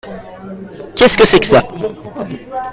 Qu'est que c'est que ça ?